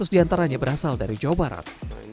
tiga ratus diantaranya berasal dari jawa barat